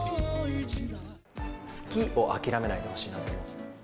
好きを諦めないでほしいなと。